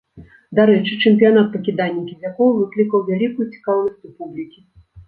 Дарэчы, чэмпіянат па кіданні кізякоў выклікаў вялікую цікаўнасць у публікі.